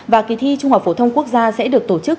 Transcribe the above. và kỳ thi trung học phổ thông quốc gia sẽ được tổ chức